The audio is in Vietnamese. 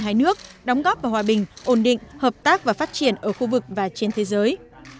hai nước đóng góp vào hòa bình ổn định hợp tác và phát triển ở khu vực và trên thế giới